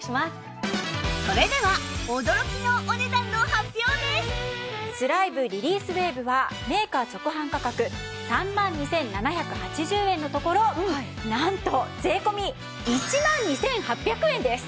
それではスライヴリリースウェーブはメーカー直販価格３万２７８０円のところなんと税込１万２８００円です！